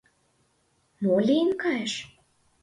Мо лийын кайыш?